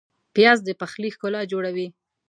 پیاز د پخلي ښکلا جوړوي